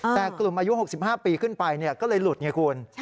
แต่กลุ่มอายุ๖๕ปีขึ้นไปก็เลยหลุดไงคุณ